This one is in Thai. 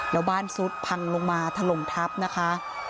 แล้วบ้านซุทธิ์พังลงมาทะลงทัพนะคะ